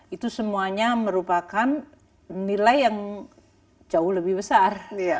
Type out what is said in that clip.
itu semuanya merupakan nilai yang jauh lebih besar